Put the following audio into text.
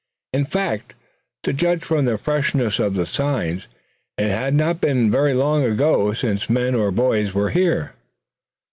In fact, to judge from the freshness of the signs, it had not been very long ago since men or boys were here.